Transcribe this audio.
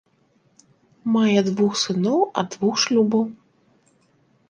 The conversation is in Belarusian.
Мае двух сыноў ад двух шлюбаў.